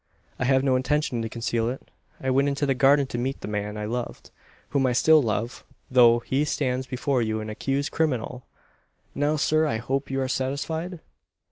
I have no intention to conceal it. I went into the garden to meet the man I loved whom I still love, though he stands before you an accused criminal! Now, sir, I hope you are satisfied?"